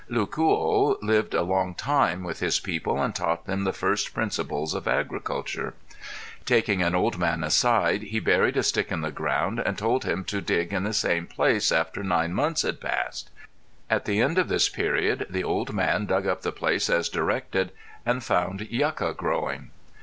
Lucuo lived a long time with his people and taught them the first principles of agriculture. Taking an old man aside he buried a stick in the ground and told him to dig in the same place after nine months had passed; at the end of this period the old man dug up the place as directed and found yuca growing.